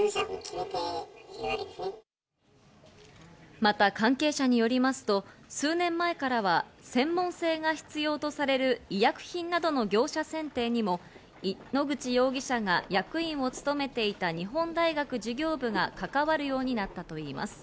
また関係者によりますと、数年前からは専門性が必要とされる医薬品などの業者選定にも、井ノ口容疑者が役員を務めていた日本大学事業部が関わるようになったといいます。